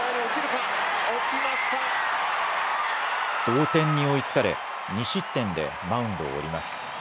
同点に追いつかれ２失点でマウンドを降ります。